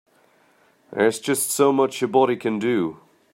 There's just so much a body can do.